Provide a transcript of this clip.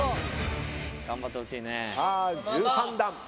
さあ１３段。